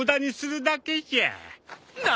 何！？